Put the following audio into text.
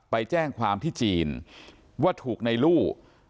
ไปแจ้งความที่จีนว่าถูกในลู่